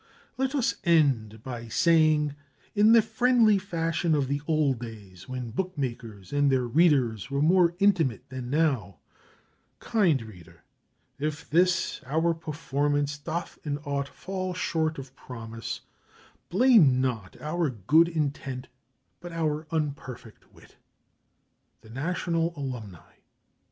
Let us end by saying, in the friendly fashion of the old days when bookmakers and their readers were more intimate than now: "Kind reader, if this our performance doth in aught fall short of promise, blame not our good intent, but our unperfect wit." THE NATIONAL ALUMNI.